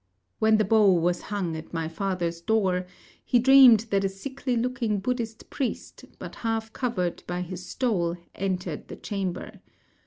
When the bow was hung at my father's door, he dreamed that a sickly looking Buddhist priest, but half covered by his stole, entered the chamber.